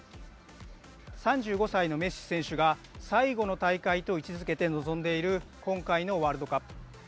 ３５歳のメッシ選手が最後の大会と位置づけて臨んでいる今回のワールドカップ。